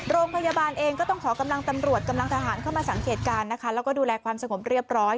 โรงพยาบาลเองก็ต้องขอกำลังตำรวจกำลังทหารเข้ามาสังเกตการณ์นะคะแล้วก็ดูแลความสงบเรียบร้อย